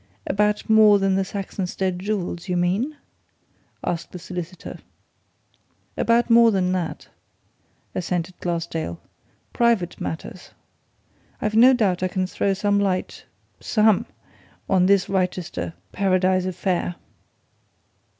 "About more than the Saxonsteade jewels, you mean?" asked the solicitor. "About more than that," assented Glassdale. "Private matters. I've no doubt I can throw some light some! on this Wrychester Paradise affair.